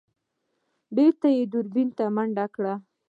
بېرته يې دوربين ته منډه کړه.